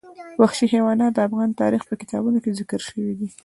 وحشي حیوانات د افغان تاریخ په کتابونو کې ذکر شوي دي.